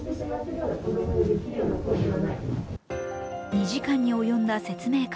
２時間に及んだ説明会。